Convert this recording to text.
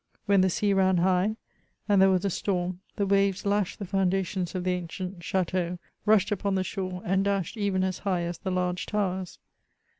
When the sea ran high, and there was a storm, the waves lashed the foundations of the ancient chateau, rushed upon the shore, and dashed even as high as the large towers.